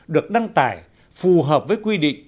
được đăng tải phù hợp với quy định